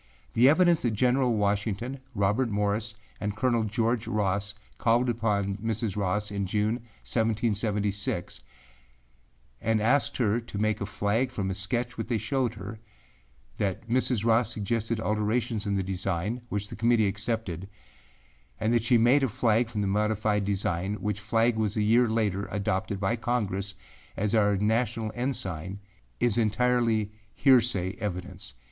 The evidence that General Washington, Robert Morris and Colonel George Ross called upon Mrs. Ross in June, 1776, and asked her to make a flag from a sketch which they showed her, that Mrs. Ross suggested alterations in the design, which the Committee accepted, and that she made a flag from the modified design which flag was a year later adopted by Congress as our national ensign, is entirely heresay evidence.